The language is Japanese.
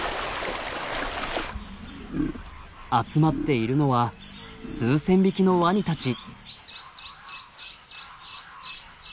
集まっているのは数千匹のワニたち。